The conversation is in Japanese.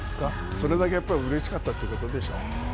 それだけうれしかったということでしょう。